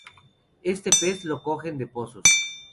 Este pez lo cogen de pozos.